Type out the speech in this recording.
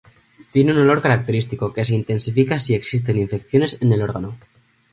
Tiene un olor característico que se intensifica si existen infecciones en el órgano.